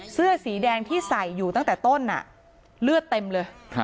เสื้อสีแดงที่ใส่อยู่ตั้งแต่ต้นเลือดเต็มเลย